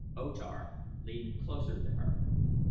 O Tar leaned closer to her.